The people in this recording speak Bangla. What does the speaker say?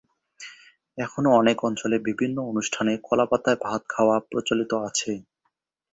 এখনও অনেক অঞ্চলে বিভিন্ন অনুষ্ঠানে কলাপাতায় ভাত খাওয়া প্রচলিত আছে।